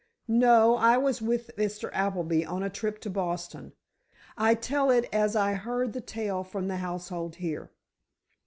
"No; I was with Mr. Appleby on a trip to Boston. I tell it as I heard the tale from the household here."